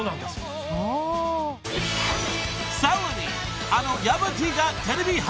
［さらに］